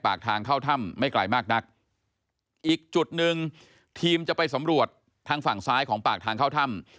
ปากทางเข้าถ้ำไม่ไกลมากนักอีกจุดหนึ่งทีมจะไปสำรวจทางฝั่งซ้ายของปากทางเข้าถ้ำ